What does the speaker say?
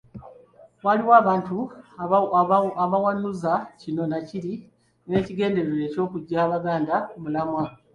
Waliwo abantu abawanuuza kino nakiri n'ekigendererwa ky'okuggya Abaganda ku mulamwa.